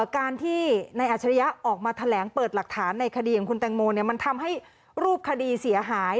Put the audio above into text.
การที่ในอัจฉริยะออกมาแถลงเปิดหลักฐานในคดีของคุณแตงโมมันทำให้รูปคดีเสียหาย